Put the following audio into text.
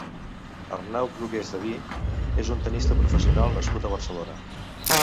Arnau Brugués Davi és un tennista professional nascut a Barcelona.